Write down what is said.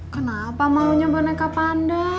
kenapa maunya boneka panda